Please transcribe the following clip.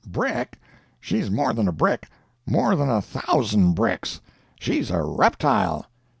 "Brick? She's more than a brick, more than a thousand bricks—she's a reptile!"